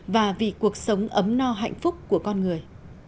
và vì cuộc sống ấm no hạnh phúc của con người